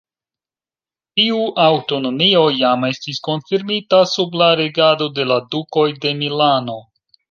Tiu aŭtonomio jam estis konfirmita sub la regado de la Dukoj de Milano.